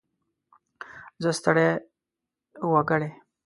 زه ستړی وګړی.